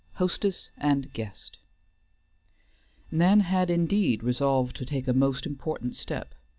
XV HOSTESS AND GUEST Nan had, indeed, resolved to take a most important step.